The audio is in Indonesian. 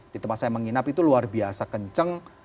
di tempat saya menginap itu luar biasa kenceng